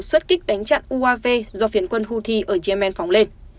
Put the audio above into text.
xuất kích đánh chặn uav do phiến quân houthi ở yemen phóng lên